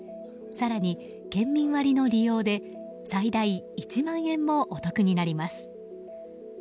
更に、県民割の利用で最大１万円もお得になります。